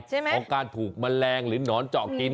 ของการถูกแมลงหรือหนอนเจาะกิน